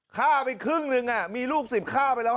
ฆ่าไปครึ่งหนึ่งมีลูก๑๐ฆ่าไปแล้ว